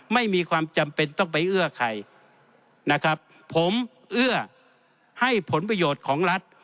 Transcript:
ไม่มีความจำเป็นต้องไปเอื้อใครนะครับผมเอื้อให้ผลประโยชน์ของรัฐ